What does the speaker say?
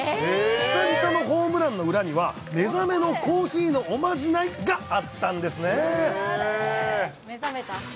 久々のホームランの裏には、目覚めのコーヒーのおまじないが目覚めた。